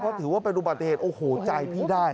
เพราะถือว่าเป็นอุบัติเหตุโอ้โหใจพี่ได้